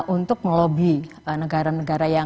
untuk melobi negara negara yang